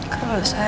kalau saya sembuh